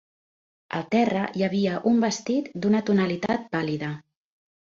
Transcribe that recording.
Al terra hi havia un vestit d'una tonalitat pàl·lida.